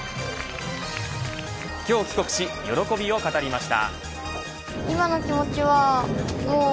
今日帰国し、喜びを語りました。